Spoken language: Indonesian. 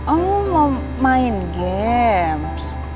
oh mau main game